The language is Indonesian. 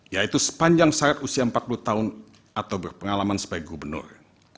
yaitu sepanjang syarat usia empat puluh tahun atau berpengalaman sebagai gubernur